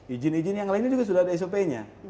izin izin yang lainnya juga sudah ada sop nya